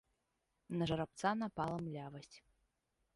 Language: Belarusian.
На жарабца напала млявасць.